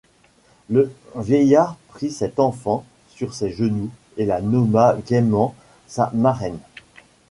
Le vieillard prit cette enfant sur ses genoux et la nomma gaiement sa marraine.